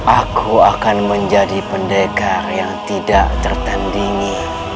aku akan menjadi pendekar yang tidak tertandingi